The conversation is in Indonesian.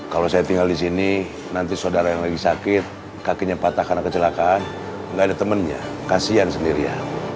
kalau saya tinggal di sini nanti saudara yang lagi sakit kakinya patah karena kecelakaan nggak ada temannya kasian sendirian